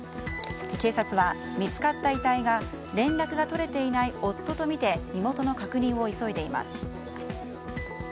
警察は見つかった遺体が連絡が取れていない夫とみて身元の確認を急いでいます。